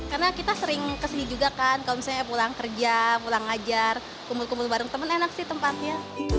karena kita sering kesini juga kan kalau misalnya pulang kerja pulang ngajar kumpul kumpul bareng temen enak sih tempatnya